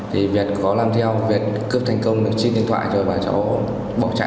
thì việt có làm theo việt cướp thành công trên điện thoại rồi và cháu bỏ chạy